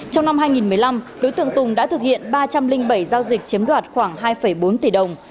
trong năm hai nghìn một mươi năm đối tượng tùng đã thực hiện ba trăm linh bảy giao dịch chiếm đoạt khoảng hai bốn tỷ đồng